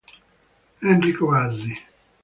Enrico Bassi